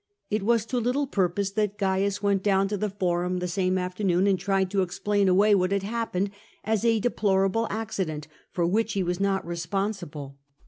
It was to little purpose that Cains went down to the Eorum that same afternoon, and tried to explain away what had happened as a deplorable accident, for which he was not responsible.